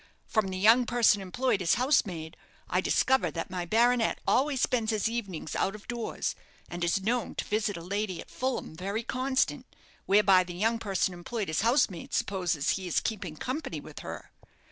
From the young person employed as housemaid, I discover that my baronet always spends his evenings out of doors, and is known to visit a lady at Fulham very constant, whereby the young person employed as housemaid supposes he is keeping company with her.